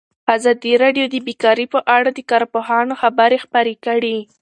ازادي راډیو د بیکاري په اړه د کارپوهانو خبرې خپرې کړي.